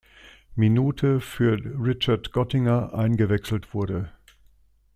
Minute für Richard Gottinger eingewechselt wurde.